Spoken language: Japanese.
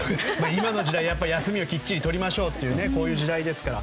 今の時代休みをきっちり取りましょうという時代ですから。